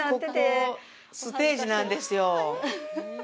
ここ、ステージなんですよ。